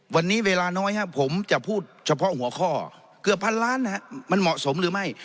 วันนี้เวลาน้อยผมจะพูดเฉพาะหัวข้อเกือบพันล้านมันเหมาะสมหรือไม่